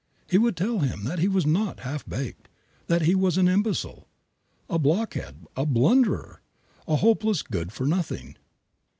He would tell him that he was not "half baked," that he was "an imbecile," "a blockhead," "a blunderer," "a hopeless good for nothing."